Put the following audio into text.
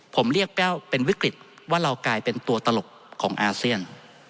ผมเรียกแป้วเป็นวิกฤตว่าเรากลายเป็นตัวตลกของอาเซียน